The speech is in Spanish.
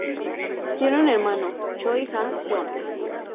Tiene un hermano Choi Hak-joon.